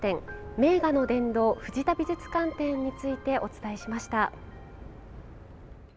「名画の殿堂藤田美術館展」についてお伝えしました。